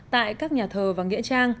tại các nhà thờ và nghiệp